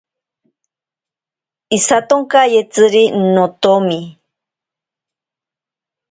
Isatonkayetziri notomi.